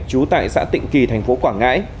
chú tại xã tịnh kỳ tp quảng ngãi